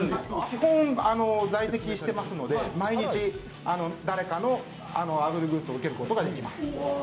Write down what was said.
基本、在籍していますので、毎日誰かのアウフグースを受けることができます。